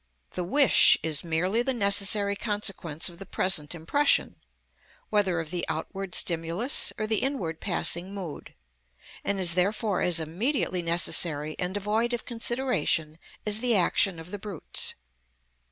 The wish is merely the necessary consequence of the present impression, whether of the outward stimulus, or the inward passing mood; and is therefore as immediately necessary and devoid of consideration as the action of the brutes.